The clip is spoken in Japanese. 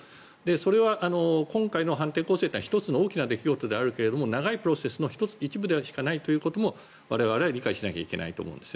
それは今回の反転攻勢は１つの大きな出来事ではあるけれども長いプロセスの一部でしかないということも我々は理解しなきゃいけないと思うんです。